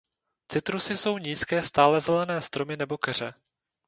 Citrusy jsou nízké stálezelené stromy nebo keře.